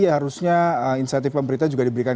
harusnya insentif pemerintah juga diberikan